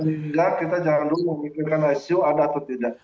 sehingga kita jangan dulu memikirkan icu ada atau tidak